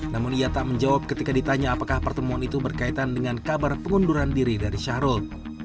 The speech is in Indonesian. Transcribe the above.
namun ia tak menjawab ketika ditanya apakah pertemuan itu berkaitan dengan kabar pengunduran diri dari syahrul